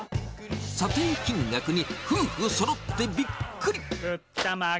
査定金額に、夫婦そろってびっくり。